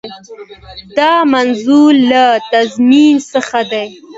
دا منظور له تضمین څخه دی.